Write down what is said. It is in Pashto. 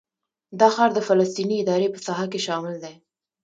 دا ښار د فلسطیني ادارې په ساحه کې شامل دی.